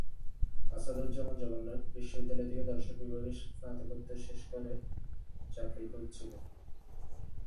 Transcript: আসাদুজ্জামান জগন্নাথ বিশ্ববিদ্যালয় থেকে দর্শন বিভাগে স্নাতকোত্তর শেষ করে চাকরি খুঁজছিলেন।